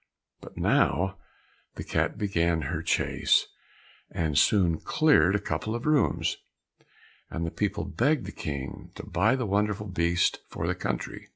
But now the cat began her chase, and soon cleared a couple of rooms, and the people begged the King to buy the wonderful beast for the country.